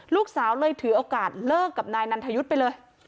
ลูกสาวเลยถือโอกาสเลิกกับนายนันทยุทธ์ไปเลย